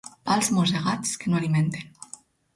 Pals mossegats que no alimenten.